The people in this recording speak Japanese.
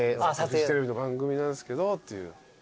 フジテレビの番組なんすけどっていう。